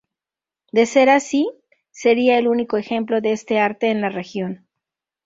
De ser así sería el único ejemplo de este arte en la región.